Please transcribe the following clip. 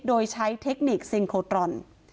โดยใช้เทคนิคซิงโคตรอน